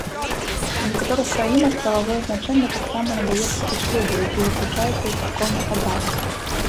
У некаторых краінах прававое значэнне таксама надаецца і шлюбу, які заключаецца ў царкоўных абрадах.